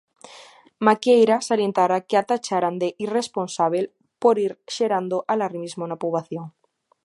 Maquieira salientara que a tacharan de "irresponsábel" por "ir xerando alarmismo na poboación".